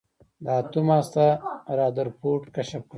د اتوم هسته رادرفورډ کشف کړه.